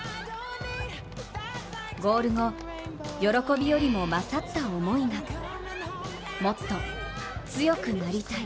ゴール後、喜びよりも勝った思いがもっと、強くなりたい。